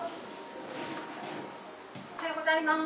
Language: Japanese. おはようございます。